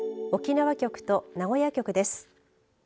沖縄局と名古屋局です。